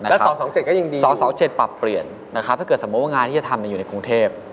แล้ว๒๒๗ก็ยังดี๒๗ปรับเปลี่ยนนะครับถ้าเกิดสมมุติว่างานที่จะทำอยู่ในกรุงเทพ